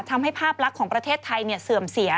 ทำให้ภาพลักษณ์ของประเทศไทยเสื่อมเสีย